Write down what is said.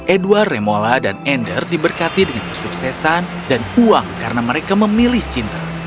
edward remola dan ender diberkati dengan kesuksesan dan uang karena mereka memilih cinta